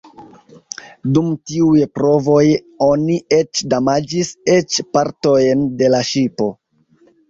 Dum tiuj provoj oni eĉ damaĝis eĉ partojn de la ŝipo.